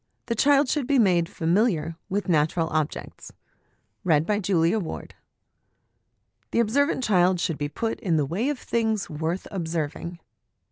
THE CHILD SHOULD BE MADE FAMILIAR WITH NATURAL OBJECTS the' An Observant Child should be put in the way of Things worth Observing.